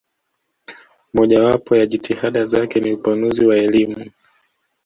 Mojawapo ya jitihada zake ni upanuzi wa elimu